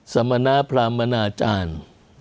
สมณพรามนาจารย์